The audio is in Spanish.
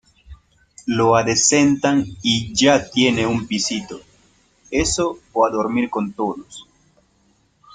lo adecentan y ya tienen un pisito. eso o a dormir con todos .